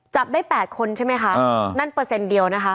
จับได้๘คนใช่ไหมคะนั่นเปอร์เซ็นต์เดียวนะคะ